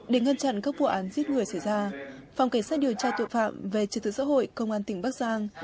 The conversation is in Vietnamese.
để ngăn chặn các vụ án giết người xảy ra phòng cảnh sát điều tra tội phạm về trật tự xã hội công an tỉnh bắc giang